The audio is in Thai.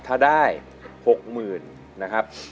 ถ้าได้หกหมื่นนะครับ